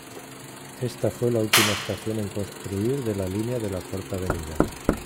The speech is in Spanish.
Esta fue la última estación en construir de la línea de la Cuarta Avenida.